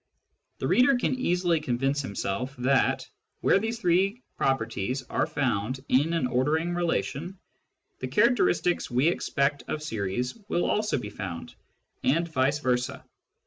The reader can easily convince himself that, where these three properties are found in an ordering relation, the characteristics we expect of series will also be found, and vice versa.